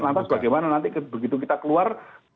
lantas bagaimana nanti begitu kita keluar